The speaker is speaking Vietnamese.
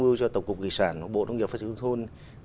ưu cho tổng cục nghị sản bộ nông nghiệp phát triển thông thôn